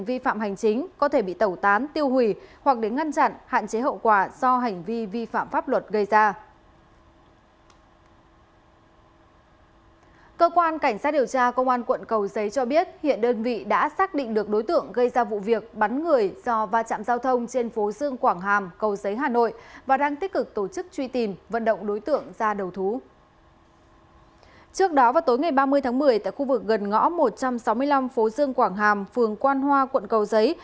vào tối ngày ba mươi tháng một mươi tại khu vực gần ngõ một trăm sáu mươi năm phố dương quảng hàm phường quan hoa quận cầu giấy